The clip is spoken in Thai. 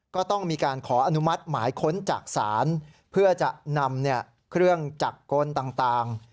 ก็ต้องมีการขออนุมัติหมายค้นจากศาลเพื่อจะนำเครื่องจักรกลต่าง